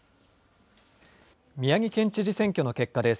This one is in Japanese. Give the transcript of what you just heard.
宮城県知事選挙の結果です。